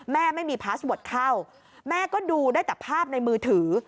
แม่ไม่มีพาสเวิร์ดเข้าแม่ก็ดูได้แต่ภาพในมือถือ